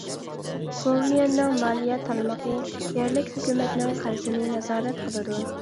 گوۋۇيۈەننىڭ مالىيە تارمىقى يەرلىك ھۆكۈمەتنىڭ قەرزىنى نازارەت قىلىدۇ.